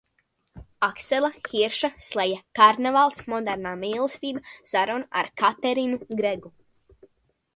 Aksela Hirša sleja Karnevāls; Modernā mīlestība – saruna ar Katerinu Gregu;